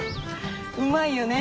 うまいよね。